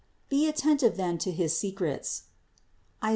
Be atten tive then to his secrets (Is.